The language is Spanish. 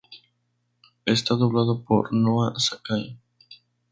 Está doblado por Noa Sakai.